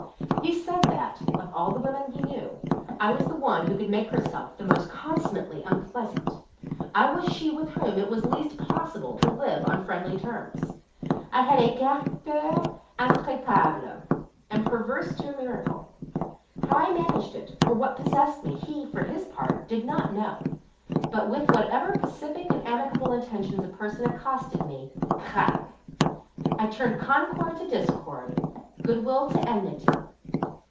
He said that, of all the women he knew, I was the one who could make herself the most consummately unpleasant: I was she with whom it was least possible to live on friendly terms. I had a "caractère intraitable," and perverse to a miracle. How I managed it, or what possessed me, he, for his part, did not know; but with whatever pacific and amicable intentions a person accosted me—crac! I turned concord to discord, good will to enmity.